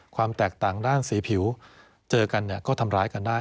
ความแตกต่างด้านสีผิวเจอกันเนี่ยก็ทำร้ายกันได้